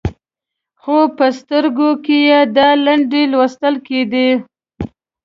خو په سترګو کې یې دا لنډۍ لوستل کېدې.